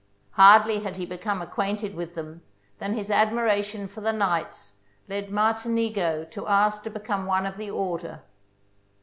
Hardly had he become acquainted with them than his admiration for the knights led Martinigo to ask to become one of the order.